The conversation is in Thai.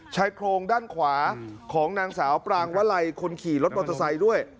ชายโครงด้านขวาของนางสาวปรางวลัยคนขี่รถมอเตอร์ไซค์ด้วย